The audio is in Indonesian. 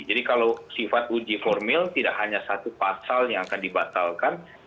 jadi kalau sifat uji formil tidak hanya satu pasal yang akan dibatalkan